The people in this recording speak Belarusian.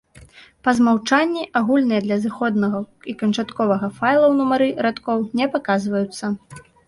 Па змаўчанні, агульныя для зыходнага і канчатковага файлаў нумары радкоў не паказваюцца.